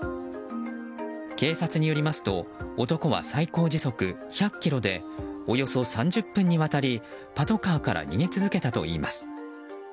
警察によりますと男は最高時速１００キロでおよそ３０分にわたりパトカーから逃げ続けたといいます。